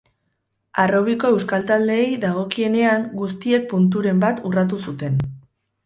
Harrobiko euskal taldeei dagokienean guztiek punturen bat urratu zuten.